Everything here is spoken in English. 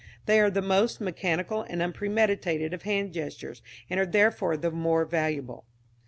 They are the most mechanical and unpremeditated of hand gestures, and are, therefore, the more valuable.